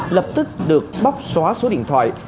lập tức được bóc xóa số điện thoại